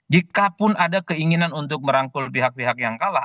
jikapun ada keinginan untuk merangkul pihak pihak yang kalah